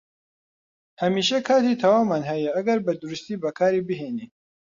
هەمیشە کاتی تەواومان هەیە ئەگەر بەدروستی بەکاری بهێنین.